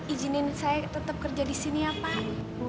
izinin saya tetap kerja di sini ya pak